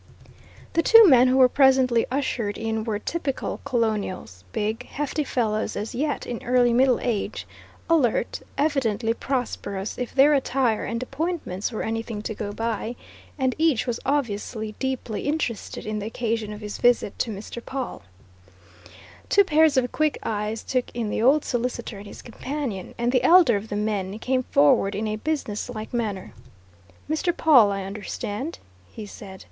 The two men who were presently ushered in were typical Colonials big, hefty fellows as yet in early middle age, alert, evidently prosperous, if their attire and appointments were anything to go by, and each was obviously deeply interested in the occasion of his visit to Mr. Pawle. Two pairs of quick eyes took in the old solicitor and his companion, and the elder of the men came forward in a businesslike manner. "Mr. Pawle, I understand?" he said.